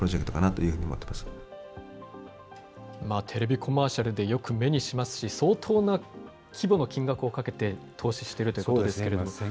テレビコマーシャルでよく目にしますし、相当な規模の金額をかけて、投資しているということですけれども。